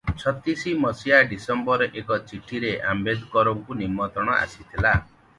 ଛତିଶ ମସିହା ଡିସେମ୍ବରରେ ଏକ ଚିଠିରେ ଆମ୍ବେଦକରଙ୍କୁ ନିମନ୍ତ୍ରଣ ଆସିଥିଲା ।